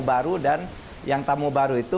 baru dan yang tamu baru itu